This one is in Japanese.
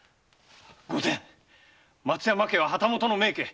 御前松山家は旗本の名家。